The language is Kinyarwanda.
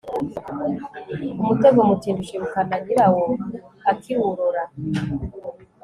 umutego mutindi ushibuka nyirawo akiwurora